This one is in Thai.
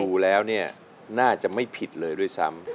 ดูแล้วเนี่ยน่าจะไม่ผิดเลยด้วยซ้ำ